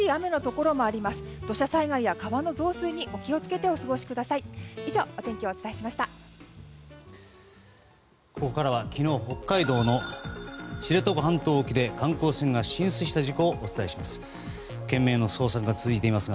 ここからは昨日、北海道の知床半島沖で観光船が浸水した事故をお伝えします。